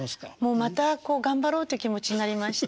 また頑張ろうという気持ちになりました。